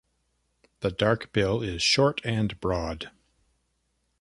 The dark bill is short and broad.